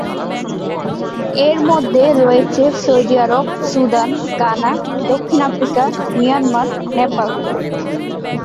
এর মধ্যে রয়েছে সৌদি আরব, সুদান, ঘানা, দক্ষিণ আফ্রিকা, মিয়ানমার, নেপাল।